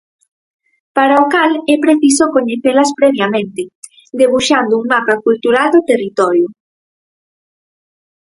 Para o cal é preciso coñecelas previamente, debuxando un mapa cultural do territorio.